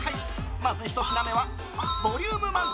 まずひと品目はボリューム満点！